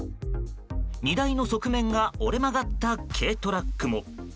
荷台の側面が折れ曲がった軽トラックも。